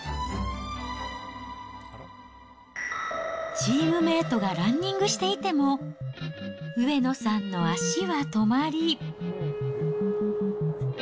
チームメートがランニングしていても、上野さんの足は止まり。